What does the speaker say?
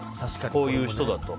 こういう人だと。